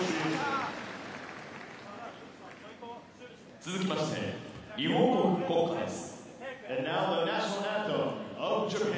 続きまして、日本国国歌です。